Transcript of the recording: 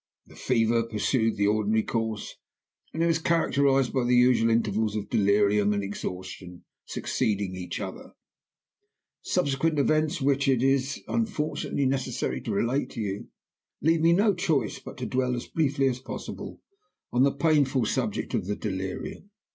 "The fever pursued the ordinary course, and was characterized by the usual intervals of delirium and exhaustion succeeding each other. Subsequent events, which it is, unfortunately, necessary to relate to you, leave me no choice but to dwell (as briefly as possible) on the painful subject of the delirium.